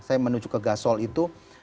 saya menuju ke gasol itu